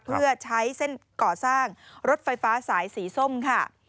เพื่อใช้เส้นก่อสร้างรถไฟฟ้าสายสีส้มค่ะ